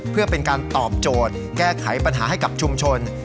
เพื่อเป็นการตอบโจทย์แก้ไขปัญหาให้กับชุมชน